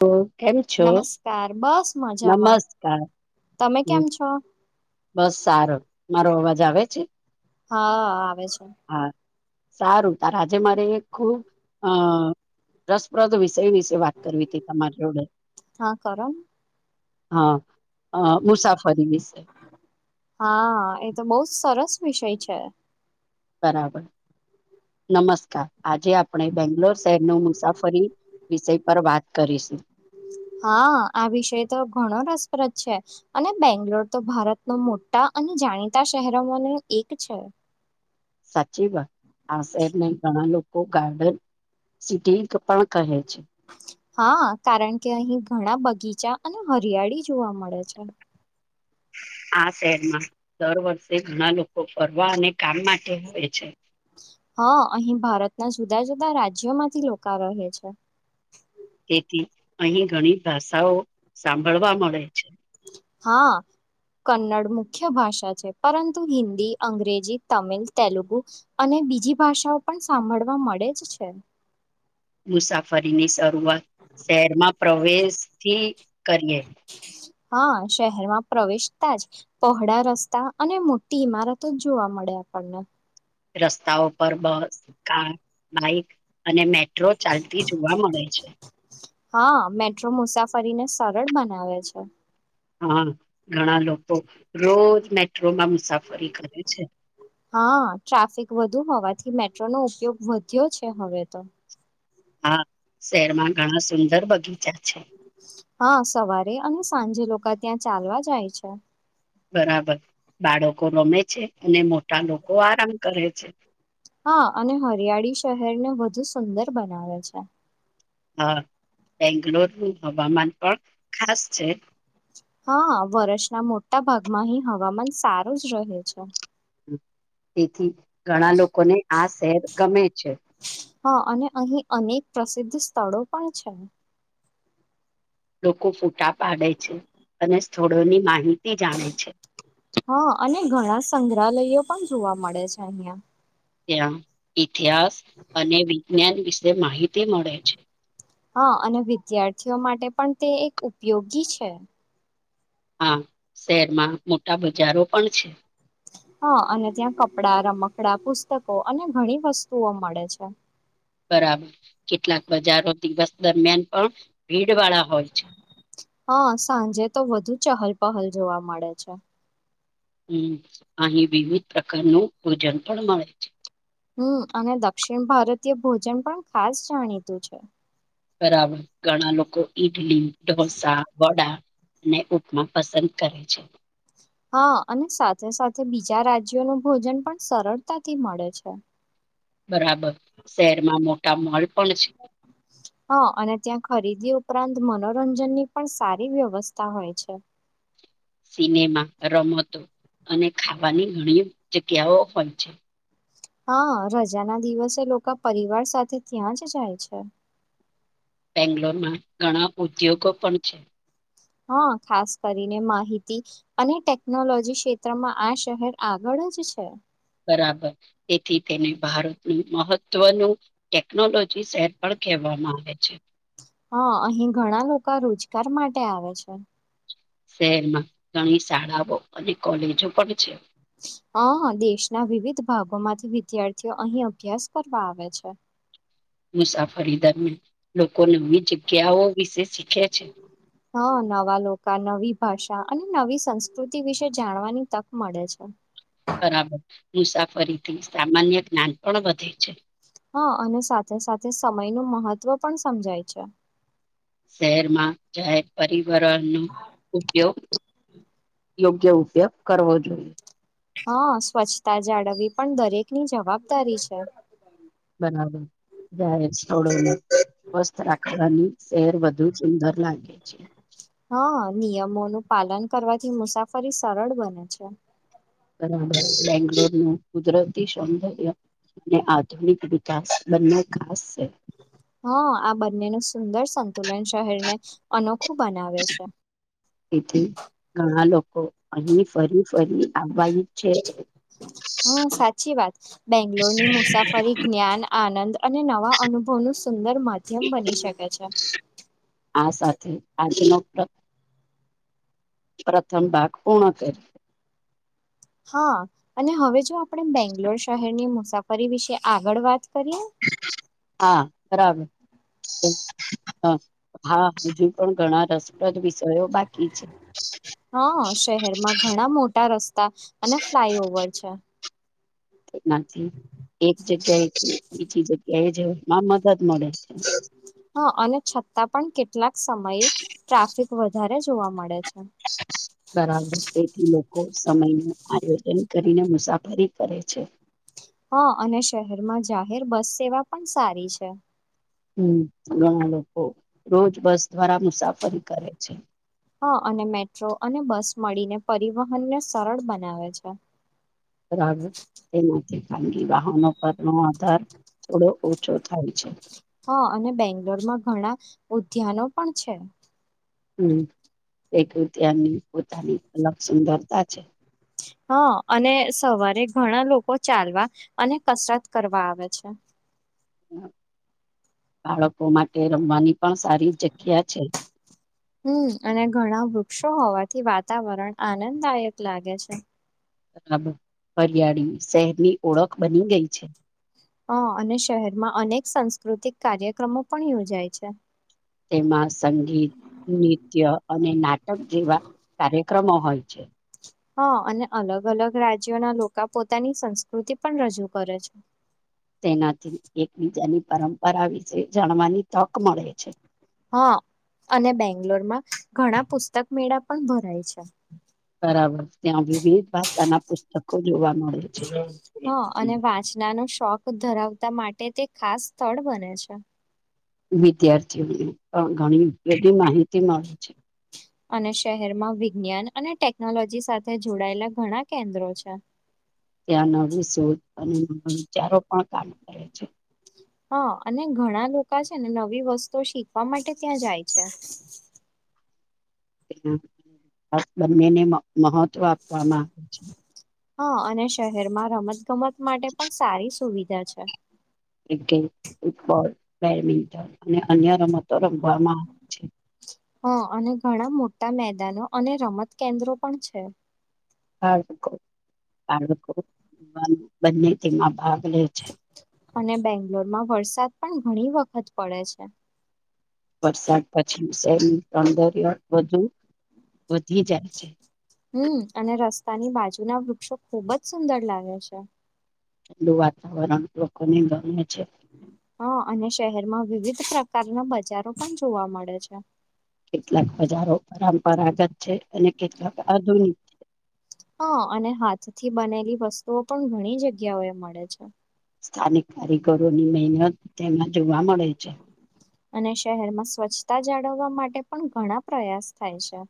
તો કેમ છો? નમસ્કાર, બસ મજામાં. નમસ્કાર તમે હમ કેમ છો? બસ સારો, મારો અવાજ આવે છે? હા આવે છે. હા સારું તાર આજે મારે ખુબ અ રસપ્રદ વિ શેય વિશે વાત કરવી હતી તમાર જોડે હા કરો ને હા. અ મુસાફરી વિશે. હા એ તો બહુ જ સરસ વિષય છે. બરાબર. નમસ્કાર આજે આપણે બેંગ્લોર શહેરનું મુસાફરી વિષય પર વાત કરીશું. હા આ વિષય તો ઘણો રસપ્રદ છે અને બેંગ્લોર તો ભારતનો મોટા અને જાણીતા શહેરોમાંનો એક છે. સાચી વાત આ શહેરને ઘણા લોક કો ગાર્ડન સિટી પણ કહે છે. હા, કારણ કે અહી ઘણા બગીચા અને હરિયાળી જોવા મળે છે. આ શહેરમાં દર વર્ષે ઘણા લોકો ફરવા અને કામ માટે હોય છે. હ અહીં ભારતના જુદા જુદા રાજ્યોમાંથી લોકા રહે છે. તેથી અહીં ઘણી ભાષાઓ સાંભળવા મળે છે હા કન્નડ મુ ખ્ય ભાષા છે પરંતુ હિન્દી, અંગ્રેજી, તમિલ, તેલુગુ અને બીજી ભાષાઓ પણ સાંભળવા મળે જ છે. મુસાફરીની શરૂઆત શહેરમાં પ્રવેશથી કરીએ. હા શહેરમાં પ્રવેશતા જ પહોળા રસ્તા અને મોટી ઈમારતો જ જોવા મળે. આપણને. રસ્તાઓ પર બસ કાર બાઈક અને મેટ હા મેટ્રો મુસાફરીને સરળ બનાવે છે. હા ઘણા લોકો રોજ મેટ્રો. હા ટ્રાફિક વધુ હોવાથી મે. મેટ્રો નો ઉપયોગ વધ્યો છે હવે તો. હા શહેરમાં ઘણા સુંદર બગીચા. છે હા સવારે અને સાંજે લોકા ત્યાં ચાલવા જાય છે. બરાબર બાળકો રમે છે અને મોટા લોકો આરામ કરે છે. હા અને હરિયાળી શહેરને વધુ સુંદર બનાવે છે. હા બેંગ્લોર નું હવામાન પણ ખાસ છે. હા વરસ ના મોટા ભાગમાં હી હવામાન સારું જ રહે છે. તેથી ઘણા લોકોને આ શહેર ગમે છે. હા અને અહીં અનેક પ્રસિદ્ધ સ્થળો પણ છે. લોકો ફૂટા પાડે છે અને સ્થોડોની માહિતી. જાણે છે હા અને ઘણા સંગ્રહાલયયો પણ જોવા મળે છે અહિયાં. ત્યાં ઇતિહાસ અને વિજ્ઞાન વિશે માહિતી મળે છે. હા અને વિદ્યાર્થીઓ માટે પણ તે એક ઉપયોગી છે. હા શહેરમાં મોટા બજારો પણ છે. હા અને ત્યાં કપડા રમકડા પુસ્તકો અને ઘણી વસ્તુઓ મળે છે. બરાબર કેટલાક બજારો દિવસ દરમિયાન પણ ભીડ વાળા હોય છે. હા સાંજે તો વધુ ચહલ પહલ જોવા મળે છે. હમ અહીં વિવિધ પ્રકારનું ભોજન પણ મળે છે. હમ અને દક્ષિણ ભારતીય ભોજન પણ ખાસ જાણીતું છે. બરાબર ઘણા લોકો ઈડલી ઢોસા વડા. ને ઉપમા પસંદ કરે છે. હા અને સાથે સાથે બીજા રાજ્યોનું ભોજન પણ સરળતાથી મળે છે. બરાબર શહેરમાં મોટા મોલ પણ છે. હા અને ત્યાં ખરીદી ઉપરાંત મનોરંજન ની પણ સારી વ્યવસ્થા હોય છે. સિનેમા રમતો અને ખાવાની ઘણી જગ્યાઓ પણ છે. હા રજા ના દિવસે એ લોકો પરિવાર સાથે ત્યાં જ જાય છે. બેંગ્લોરમાં ઘણા ઉદ્યોગો પણ છે. હા ખાસ કરીને માહિતી અને ટેકનોલોજી ક્ષેત્રમાં આ શહેર આગળ. જ છે. બરાબર તેથી તેને ભારતનું મહત્વનું ટેકનોલોજી શેર પણ. કહેવામાં આવે છે. હા અહીં ઘણા લોકા રોજગાર માટે આવે છે શહેરમાં ઘણી શાળાઓ અને કોલેજો પણ છે હા હા દેશના વિવિધ ભાગોમાંથી વિદ્યાર્થીઓ અહીં અભ્યાસ કરવા આવે છે મુસાફરી દરમિયાન લોકો નવી જગ્યાઓ વિશે શીખે છે હા નવા લોકા નવી ભાષા અને નવી સંસ્કૃતિ વિશે જાણવાની તક મળે છે બરાબર મુસાફરીથી સામાન્ય જ્ઞાન પણ વધે છે હા અને સાથે સાથે સમય નુ મહત્વ પણ સમજાય છે શહેરમાં જાહેર પરિવહન નો ઉપયોગ યોગ્ય ઉપયોગ કરવો જોઈએ હા સ્વચ્છતા જાળવવી પણ દરેક ની જવાબદારી છે બરાબર જાય આવડોને [unintelligible] સ્વસ્થ રાખવાની શહેર વધુ સુંદર લાગે છે હા નિયમોનું પાલન કરવાથી મુસાફરી સરળ બને છે બરાબર બેંગ્લોરનું કુદરતી સૌંદર્ય ને આધુનિક વિકાસ બન્ને ખાસ છે હા આ બંને નું સુંદર સંતુલન શહેરને અનોખું બનાવે છે અહી ફરી ફરી આવવાનું છે હમ સાચી વાત બેંગ્લોરની મુસાફરી જ્ઞાન આનંદ અને નવા અનુભવ નું સુંદર માધ્યમ બની શકે છે આ સાથે આજનો પ્રથમ ભાગ પૂર્ણ કરી હા અને હવે જો આપણે બેંગ્લોર શહેરની મુસાફરી વિશે આગળ વાત કરીએ હા બરાબર હા હજું પણ ઘણા રસપ્રદ વિષયો બાકી છે હા શહેરમાં ઘણા મોટા રસ્તા અને ફ્લાય ઓવર છે એનાથી એક જગ્યા એ થી બીજી જગ્યા એ જવામાં મદદ મળે છે તા પણ કેટલાક સમયે ટ્રાફિક વધારે જોવા મળે છે બરાબર એક મિનિટ સમયનું આયોજન કરીને મુસાફરી કરે છે હા અને શહેરમાં જાહેર બસ સેવા પણ સારી છે હમ ઘણા લોકો હા અને મેટ્રો અને બસ મળીને પરિવહનને સરળ બનાવે છે બરાબર તેમાંથી ખાનગી વાહનો પર નો આધાર થોડો ઓછો થાય છે હા અને બેંગ્લોર માં ઘણા ઉદ્યાનો પણ છે હમ એક રીતે આની પોતાની અલગ સુંદરતા છે હા અને સવારે ઘણા લોકો ચાલવા અને કસરત કરવા આવે છે બાળકો માટે રમવાની પણ સારી જગ્યા છે [inaudible] હમ અને ઘણા વૃક્ષો હોવાથી વાતાવરણ આનંદદાયક લાગે છે અને હરિયાળી શહેરની ઓળખ બની ગઈ છે હા અને શહેરમાં અનેક સાંસ્કૃતિક કાર્યક્રમો પણ યોજાય છે તેમાં સંગીત નૃત્ય અને નાટક જેવા કાર્યક્રમો હોય છે હા અને અલગ અલગ રાજ્યોના લોકો પોતાની સંસ્કૃતિ પણ રજૂ કરે છે તેનાથી એકબીજાની પરંપરા વિશે જાણવાની તક મળે છે હા અને બેંગ્લોરમાં ઘણા પુસ્તક મેળા પણ ભરાય છે બરાબર ત્યાં વિવિધ ભાષાના પુસ્તકો જોવા મળે છે હા અને વાંચના નો શોખ ધરાવતા માટે તે ખાસ સ્થળ બને છે વિદ્યાર્થીઓને પણ ઘણી બધી માહિતી મળે છે અને શહેરમાં વિજ્ઞાન અને ટેકનોલોજી સાથે જોડાયેલા ઘણા કેન્દ્રો છે ત્યાં નવી શોધ અને નવા વિચારો પણ કામ કરે છે હા અને ઘણા લોકો છે ને નવી વસ્તુ શીખવા માટે ત્યાં જાય છે હ [inaudible] એના ખાસ બંનેને મહત્વ આપવામાં આવે છે હા અને શહેરમાં રમત ગમત માટે પણ સારી સુવિધા છે ક્રિકેટ ફૂટબોલ બેડમિન્ટન અને અન્ય તો રમવામાં આવે છે હા અને ઘણા મોટા મેદાનો અને રમત કેન્દ્રો પણ છે બાળકો બાળકો બંને તેમાં ભાગ બ છે [unintelligible] અને બેંગ્લોર. વરસાદ પછી શહેરમાં તડકો પણ વધુ વધી જાય છે. હમ, અને રસ્તાની બાજુના વૃક્ષો ખુબ જ સુંદર લાગે છે. ઠડું વાતાવરણ લોકો ની ગરમી હા, અને શહેરમાં વિવિધ પ્રકારના બજારો પણ જોવા મળે છે. કેટલાક બજારો પરંપરાગત છે, અને કેટલાક આધુનિક છે. હા, અને હાથથી બનેલી વસ્તુઓ પણ ઘણી જગ્યાઓ એ મળે છે. સ્થાનિક કારીગરોની મહેનત તેમાં જોવા મળે છે. અને શહેરમાં સ્વચ્છતા જાળવવા માટે પણ ઘણા પ્રયાસ થાય છે.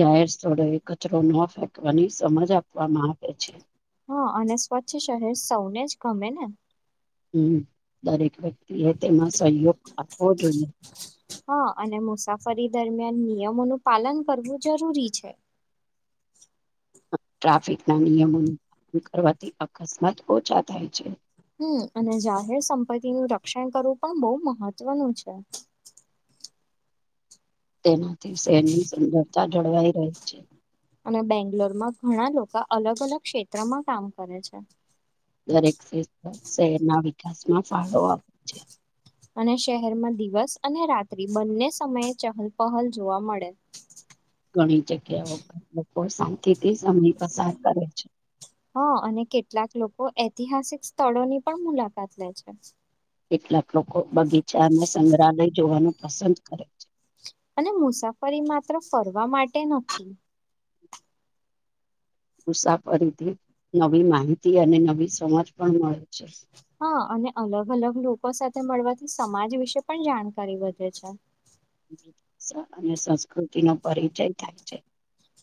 જાહેર સ્થળોએ કચરો ન ફેંકવાની સમજ આપવામાં આવે છે. હા, અને સ્વચ્છ શહેર સૌને જ ગમે ને. હમ, દરેક ભાઈ. ને તેમાં સહયોગ આપવો જોઈએ. હા અને મુસાફરી દરમિયાન નિયમોનું પાલન કરવું જરૂરી છે. ટ્રાફિક ના નિયમોનું પાલન કરવાથી અકસ્માત ઓછા થાય છે. હમ, અને જાહેર સંપત્તિ નું રક્ષણ કરવું પણ બહુ મહત્વનું છે. તેનાથી શેરની સુંદરતા જળવાઈ રહી છે. અને બેંગ્લોરમાં ઘણા લોકો અલગ-અલગ ક્ષેત્રમાં કામ કરે છે. દરેક ક્ષેત્ર શહેરના વિકાસમાં ફાળો આપે છે. અને શહેરમાં દિવસ અને રાત્રિ બંને સમયે ચહલ-પહલ જોવા મળે. ઘણી જગ્યાઓ પર લોકો શાંતિથી સમય પસાર કરે છે. હા, અને કેટલાક લોકો ઐતિહાસિક સ્થળોની પણ મુલાકાત લે છે. કેટલાક લોકો બગીચા અને સંગ્રહાલય જોવાનું પસંદ કરે છે. અને મુસાફરી માત્ર ફરવા માટે નથી. મુસાફરીથી નવી માહિતી અને નવી સમજ પણ મળે છે. હા, અને અલગ-અલગ લોકો સાથે મળવાથી સમાજ વિશે પણ જાણકારી વધે છે. ભાષા અને સંસ્કૃતિનો પરિચય થાય છે.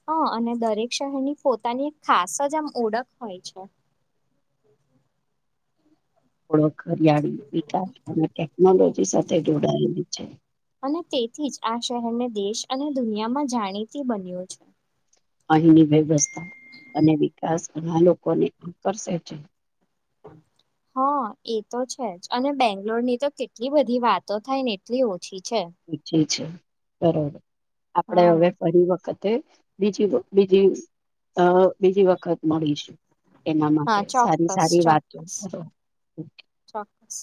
હ, અને દરેક શહેરની પોતાની ખાસ જ આમ ઓળખ હોય છે. થોડોક હરિયાળી વિકાસ અને ટેકનોલોજી સાથે જોડાયેલી છે. અને તેથી જ આ શહેરને દેશ અને દુનિયામાં જાણીતી બન્યું છે. અહીંની વ્યવસ્થા અને વિકાસ ઘણા લોકોને આકર્ષે છે. [unintelligible] હા, એ તો છે જ, અને બેંગ્લોર ની તો કેટલી બધી વાતો થાય ને એટલી ઓછી. ઠીક છે. પહોંચે છે, બરોબર. આપડે હવે હા ફરી વખત છે. એમ, બીજી બીજી બીજી વખત મળીશું. એના હા માટે સારી ચોક્કસ સારી વાતો ચોક્કસ ચોક્કસ.